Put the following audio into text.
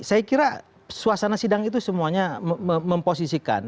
saya kira suasana sidang itu semuanya memposisikan